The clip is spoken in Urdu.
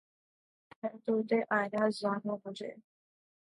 مردمک ہے طوطئِ آئینۂ زانو مجھے